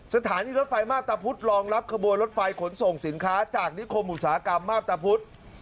สถานีรถไฟมาพตะพุธรองรับขบวนรถไฟขนส่งสินค้าจากนิคมอุตสาหกรรมมาพตะพุทธ